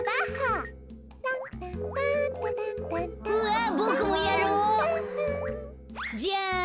うわボクもやろう。じゃん！